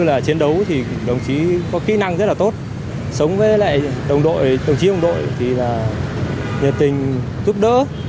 và chiến đấu thì đồng chí có kỹ năng rất là tốt sống với lại đồng đội đồng chí đồng đội thì là nhiệt tình tước đỡ